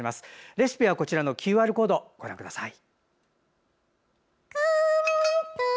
レシピはＱＲコードご覧ください。